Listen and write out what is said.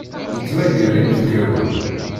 Nettmagar inebgawen.